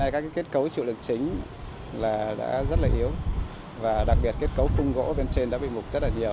các kết cấu chịu lực chính đã rất yếu đặc biệt kết cấu cung gỗ bên trên đã bị mục rất nhiều